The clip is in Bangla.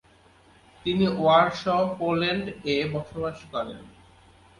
যিনি ওয়ারশ, পোল্যান্ড এ বসবাস করেন।